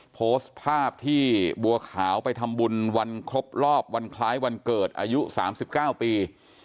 โพสต์ภาพที่บัวขาวไปทำบุญวันครบรอบวันคล้ายวันเกิดอายุ๓๙ปี